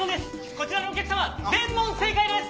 こちらのお客様全問正解です。